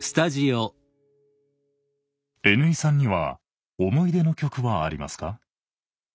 Ｎ井さんには思い出の曲はありますか？